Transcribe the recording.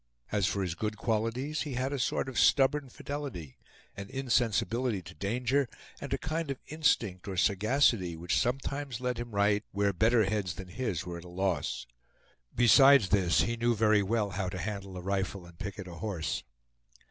As for his good qualities, he had a sort of stubborn fidelity, an insensibility to danger, and a kind of instinct or sagacity, which sometimes led him right, where better heads than his were at a loss. Besides this, he knew very well how to handle a rifle and picket a horse.